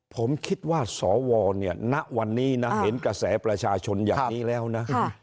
ผมคิดว่าสวเนี่ยณวันนี้นะเห็นกระแสประชาชนอย่างนี้แล้วนะ